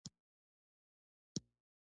د اور وژنې سیستم په مارکیټونو کې شته؟